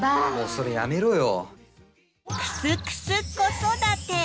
それやめろよ。